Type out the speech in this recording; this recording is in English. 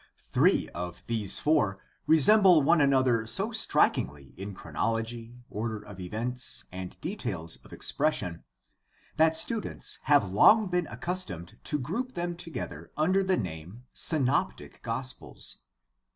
Three of these four resemble one another so strikingly in chronology, order of events, and details of expression that students have long been accustomed to group them together under the name Synoptic Gospels.